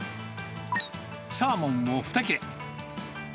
サーモンを２切れ。